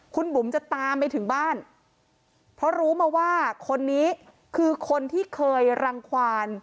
คุณบุ๋มจะตามไปถึงบ้านเพราะรู้มาว่าคนนี้คือคนที่เคยรังความ